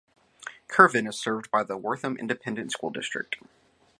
Kirvin is served by the Wortham Independent School District.